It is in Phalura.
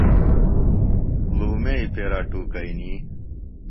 لُومئی پیرا ٹُوکئنی۔